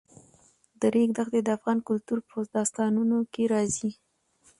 د ریګ دښتې د افغان کلتور په داستانونو کې راځي.